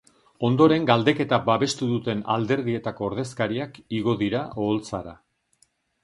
Ondoren galdeketa babestu duten alderdietako ordezkariak igo dira oholtzara.